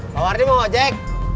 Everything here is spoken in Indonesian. pak wardi mau ngajak